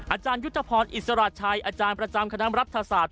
อาจารยุทธพรอิสระชัยอาจารย์ประจำคณะรัฐศาสต